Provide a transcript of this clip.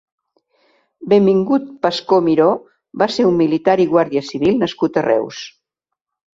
Benvingut Pascó Miró va ser un militar i guàrdia civil nascut a Reus.